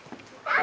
あ！